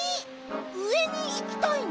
うえにいきたいの？